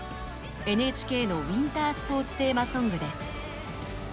ＮＨＫのウィンタースポーツテーマソングです。